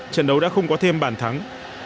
trận đấu đã không có thêm bàn thắng